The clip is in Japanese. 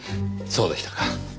そうでしたか。